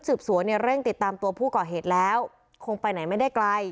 เอียงติดตามตัวผู้เกาะเหตุแล้วคงไปไหนไม่ได้ไกล